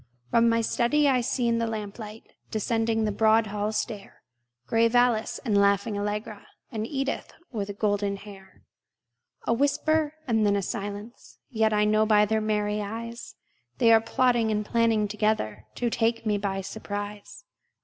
From my study I see in the lamplight, Descending the broad hall stair, Grave Alice, and laughing Allegra, And Edith with golden hair. A whisper, and then a silence: Yet I know by their merry eyes They are plotting and planning together To take me by surprise.